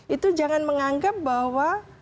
itu jangan menganggap bahwa